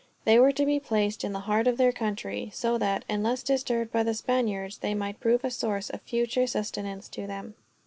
They were to be placed in the heart of their country; so that, unless disturbed by the Spaniards, they might prove a source of future sustenance to them.